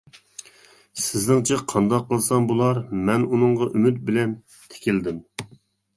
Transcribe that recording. سىزنىڭچە قانداق قىلسام بولار؟ -مەن ئۇنىڭغا ئۈمىد بىلەن تىكىلدىم.